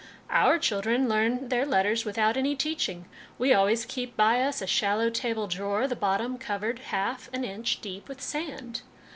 " Our children learn their letters without any teaching. We always keep by us a shallow table drawer, the bottom covered half an inch deep with sand.